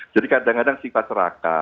jadi kadang kadang sifat seraka